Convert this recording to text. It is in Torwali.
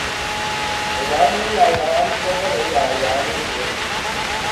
سے یام مُوئی آں یام جوبل ہُوئی آں یامی ڈیئی۔